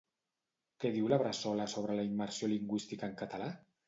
Què diu la Bressola sobre la immersió lingüística en català?